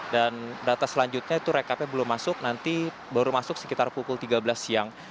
dan data selanjutnya itu rekapnya belum masuk nanti baru masuk sekitar pukul tiga belas siang